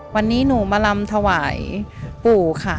วันนี้หนูมาลำถวายปู่ค่ะ